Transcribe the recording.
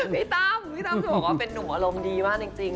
พี่ตั้มพี่ตั้มคือบอกว่าเป็นนุ่มอารมณ์ดีมากจริง